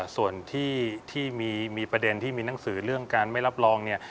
ส่วนที่มีประเด็นที่มีหนังสือเรื่องการไม่รับรองเนี่ย